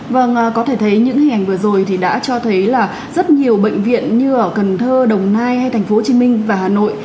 vâng có thể thấy những hình ảnh vừa rồi đã cho thấy là rất nhiều bệnh viện như ở cần thơ đồng nai tp hcm và hà nội